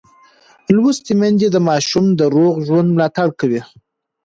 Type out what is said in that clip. لوستې میندې د ماشوم د روغ ژوند ملاتړ کوي.